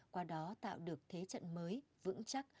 qua đó tạo được thế trận mới vững chắc